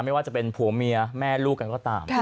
ไม่ว่าจะเป็นผัวเมียแม่ลูกกันก็ตาม